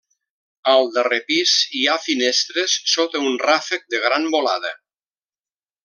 Al darrer pis hi ha finestres sota un ràfec de gran volada.